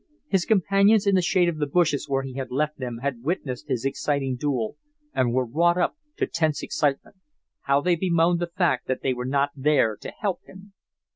His companions in the shade of the bushes where he had left them had witnessed his exciting duel and were wrought up to tense excitement. How they bemoaned the fact that they were not there to help him!